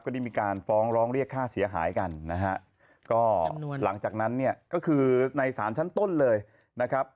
ได้มีการฟ้องร้องเรียกค่าเสียหายกันนะฮะก็หลังจากนั้นเนี่ยก็คือในศาลชั้นต้นเลยนะครับ